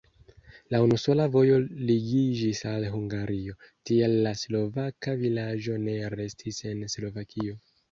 La unusola vojo ligiĝis al Hungario, tial la slovaka vilaĝo ne restis en Slovakio.